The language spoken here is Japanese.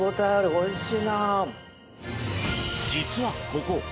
実は、ここ。